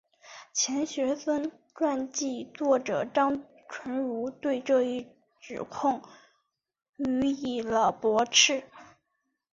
钱学森传记作者张纯如对这一指控予以了驳斥。